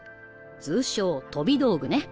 通称・飛び道具ね。